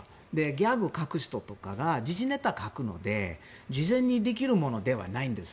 ギャグを書く人とかが時事ネタを書くので事前にできるものではないんです。